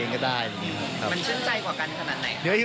มันชื่นใจกว่ากันขนาดไหน